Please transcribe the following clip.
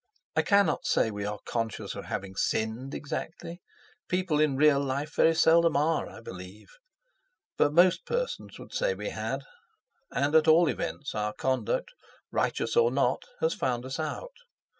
I cannot say we are conscious of having sinned exactly—people in real life very seldom are, I believe—but most persons would say we had, and at all events our conduct, righteous or not, has found us out.